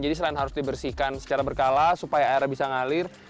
jadi selain harus dibersihkan secara berkala supaya air bisa ngalir